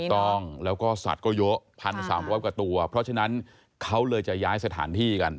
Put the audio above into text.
ต้องแล้วก็สัตว์ก็เยอะ๑๓๐๐กว่าตัวเพราะฉะนั้นเขาเลยจะย้ายสถานที่กัน